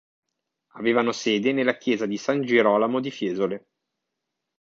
Avevano sede nella chiesa di San Girolamo di Fiesole.